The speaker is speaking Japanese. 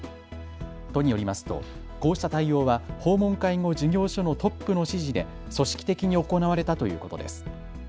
都によりますと、こうした対応は訪問介護事業所のトップの指示で組織的に行われたということです。